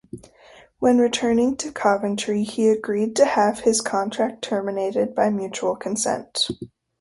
When returning to Coventry, he agreed to have his contract terminated by mutual consent.